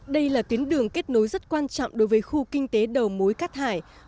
đây là tuyến đường kết nối rất quan trọng đối với khu kinh tế đầu mối cát hải